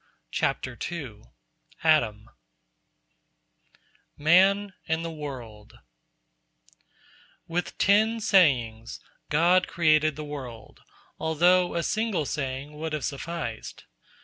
" II ADAM MAN AND THE WORLD With ten Sayings God created the world, although a single Saying would have sufficed.